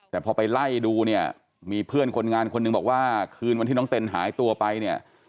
แต่พอไปไล่ดูเนี่ยมีเพื่อนคนงานคนหนึ่งบอกว่าคืนวันที่น้องเต้นหายตัวไปเนี่ย